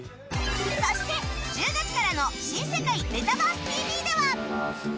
そして１０月からの『新世界メタバース ＴＶ！！』では